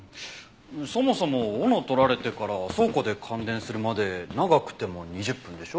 そもそも斧を取られてから倉庫で感電するまで長くても２０分でしょ？